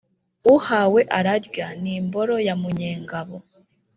« uhawe a rarya » ni imboro ya m unyengabo